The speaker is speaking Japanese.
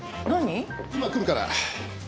今来るから。